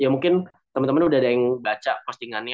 ya mungkin teman teman udah ada yang baca postingannya